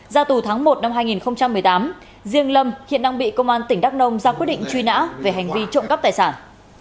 ra tù tháng một năm hai nghìn một mươi tám riêng lâm hiện đang bị công an tỉnh đắk nông ra quyết định truy nã về hành vi trộm cắp tài sản